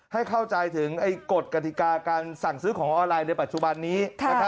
ให้เข้าใจถึงกฎกฎิกาการสั่งซื้อของออนไลน์ในปัจจุบันนี้